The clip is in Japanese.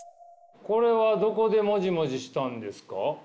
これはどこでモジモジしたんですか？